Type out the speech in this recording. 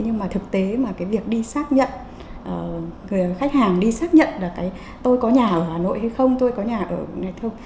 nhưng mà thực tế mà cái việc đi xác nhận khách hàng đi xác nhận là tôi có nhà ở hà nội hay không tôi có nhà ở hà nội hay không